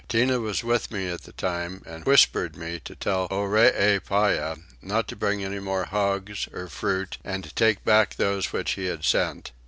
Tinah was with me at the time and whispered me to tell Oreepyah not to bring any more hogs or fruit and to take those back which he had sent.